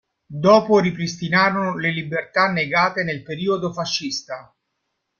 Dopo ripristinarono le libertà negate nel periodo fascista.